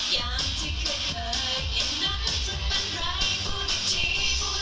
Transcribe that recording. ยังว่าเธอน่ะยังแปลกกันอยู่